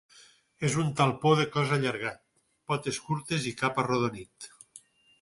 És un talpó de cos allargat, potes curtes i cap arrodonit.